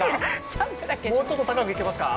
もうちょっと高くいけますか？